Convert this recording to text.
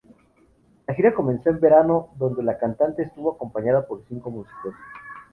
La gira comenzó en verano donde la cantante estuvo acompañada por cinco músicos.